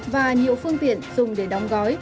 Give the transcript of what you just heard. và nhiều phương tiện dùng để đóng gói